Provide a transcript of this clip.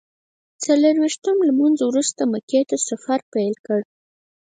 څلویښتم لمونځ وروسته مکې ته سفر پیل کړ.